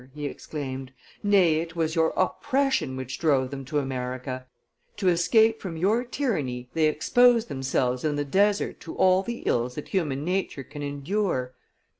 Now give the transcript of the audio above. he exclaimed; "nay, it was your oppression which drove them to America; to escape from your tyranny, they exposed themselves in the desert to all the ills that human nature can endure!